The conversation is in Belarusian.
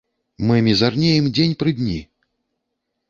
Мы мізарнеем дзень пры дні!